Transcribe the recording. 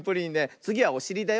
つぎはおしりだよ。